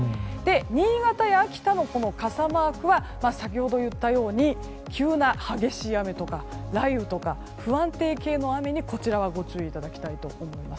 新潟や秋田の傘マークは先ほど言ったように急な激しい雨とか雷雨とか不安定系の雨にご注意いただきたいと思います。